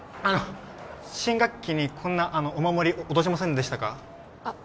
新学期にこんなお守り落としませんでしたか？